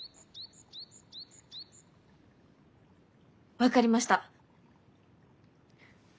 分かりました。